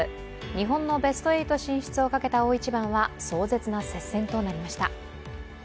日本のベスト８進出をかけた大一番は壮絶な接戦となりました。